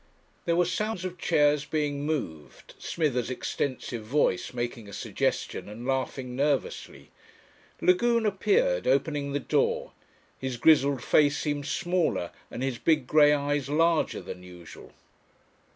There were sounds of chairs being moved, Smithers' extensive voice making a suggestion and laughing nervously. Lagune appeared opening the door. His grizzled face seemed smaller and his big grey eyes larger than usual.